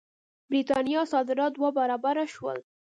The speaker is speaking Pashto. برېټانیا صادرات دوه برابره شول.